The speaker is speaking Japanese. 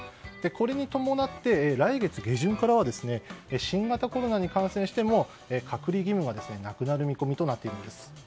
これに伴って来月下旬からは新型コロナに感染しても隔離義務がなくなる見込みとなっているんです。